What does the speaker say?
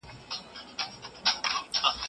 د ملک زوی ځانته هندوې ګډوینه